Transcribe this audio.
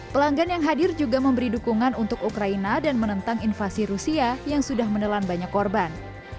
pelanggan yang hadir juga memberi dukungan untuk ukraina dan menentang invasi rusia yang sudah menelan banyak korban